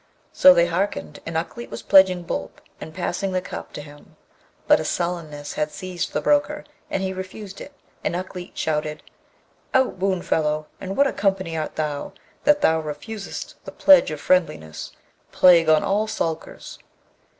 So they hearkened, and Ukleet was pledging Boolp, and passing the cup to him; but a sullenness had seized the broker, and he refused it, and Ukleet shouted, 'Out, boon fellow! and what a company art thou, that thou refusest the pledge of friendliness? Plague on all sulkers!'